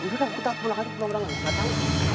udah kita pulang pulang aja nggak tahu